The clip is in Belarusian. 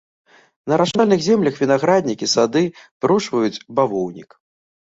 На арашальных землях вінаграднікі, сады, вырошчваюць бавоўнік.